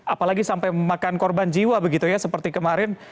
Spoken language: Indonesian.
apalagi sampai memakan korban jiwa begitu ya seperti kemarin